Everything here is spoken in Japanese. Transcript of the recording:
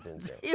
全然。